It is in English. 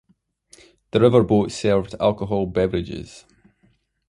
This river boat served alcohol beverages.